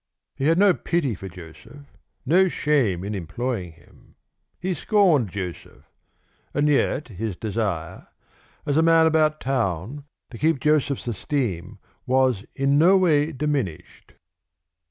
He had no pity for Joseph, no shame in employing him. He scorned Joseph; and yet his desire, as a man about town, to keep Joseph's esteem was in no way diminished.